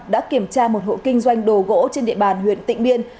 đã kiểm tra một hộ kinh doanh đồ gỗ trên địa bàn huyện tịnh biên